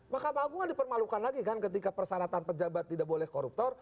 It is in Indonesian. makam agungan dipermalukan lagi kan ketika persanatan pejabat tidak boleh koruptor